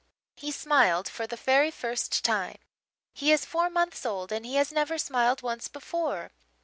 He smiled for the very first time. He is four months old and he has never smiled once before.